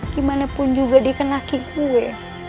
gimanapun juga dia kenakin gue